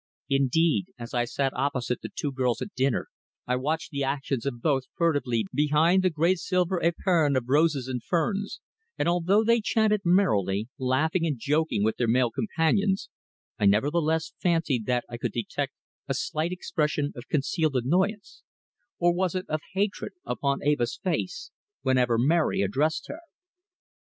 Indeed, as I sat opposite the two girls at dinner, I watched the actions of both furtively behind the great silver epergne of roses and ferns, and although they chatted merrily, laughing and joking with their male companions, I nevertheless fancied that I could detect a slight expression of concealed annoyance or was it of hatred? upon Eva's face whenever Mary addressed her.